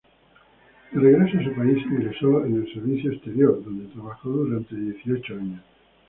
De regreso a su país ingresó al Servicio Exterior donde trabajó durante dieciocho años.